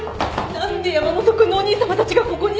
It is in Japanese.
何で山本君のお兄さまたちがここに？